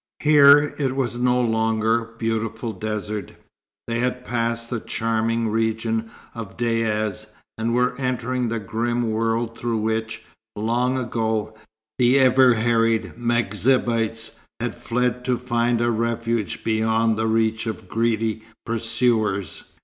Here, it was no longer beautiful desert. They had passed the charming region of dayas, and were entering the grim world through which, long ago, the ever harried M'Zabites had fled to find a refuge beyond the reach of greedy pursuers.